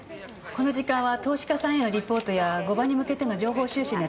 この時間は投資家さんへのリポートや後場に向けての情報収集に当ててるんです。